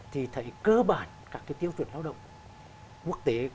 thì thấy cơ bản các cái tiêu chuẩn lao động quốc tế